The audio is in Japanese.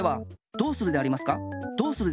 どうするでありますか？